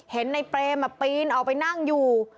เห็นในเปรมปีนออกไปนั่งอยู่